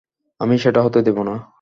আমি সেটা হতে দেবো না।